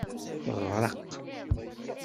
Teɣreq.